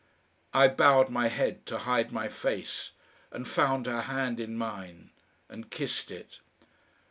I bowed my head to hide my face, and found her hand in mine and kissed it.